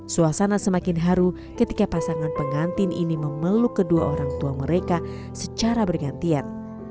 suasana semakin haru ketika pasangan pengantin ini memeluk kedua orang tua mereka secara bergantian